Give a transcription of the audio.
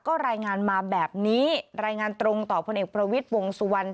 ก็รายงานมาแบบนี้รายงานตรงต่อพลเอกประวิทย์วงสุวรรณ